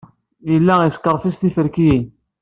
Yella yeskerfiẓ tiferkiyin.